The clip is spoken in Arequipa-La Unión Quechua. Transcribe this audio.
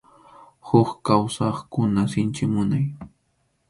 Huk kawsaqkuna sinchi munay.